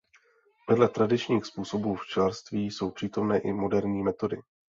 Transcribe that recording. Vedle tradičních způsobů včelařství jsou přítomné i moderní metody.